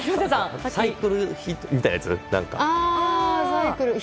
サイクルヒットみたいなやつ？